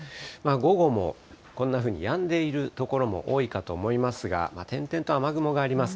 午後もこんなふうにやんでいる所も多いかと思いますが、点々と雨雲があります。